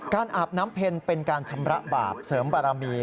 อาบน้ำเพ็ญเป็นการชำระบาปเสริมบารมี